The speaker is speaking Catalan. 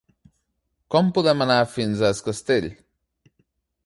Com podem anar fins a Es Castell?